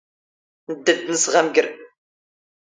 ⵏⴷⴷⴰ ⴰⴷ ⴷ ⵏⵙⵖ ⴰⵎⴳⵔ.